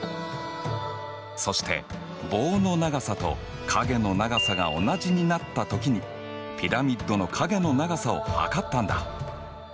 そして棒の長さと影の長さが同じになった時にピラミッドの影の長さを測ったんだ。